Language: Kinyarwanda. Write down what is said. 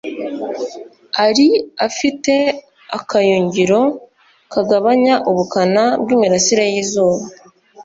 ari afite akayungiro kagabanya ubukana bw’imirasire y’izuba